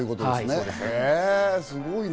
すごいね。